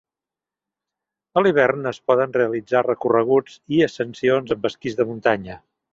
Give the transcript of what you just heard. A l'hivern es poden realitzar recorreguts i ascensions amb esquís de muntanya.